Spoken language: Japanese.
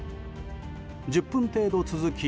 １０分程度続き